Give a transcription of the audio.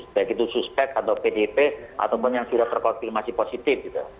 baik itu suspek atau pdp ataupun yang sudah terkonfirmasi positif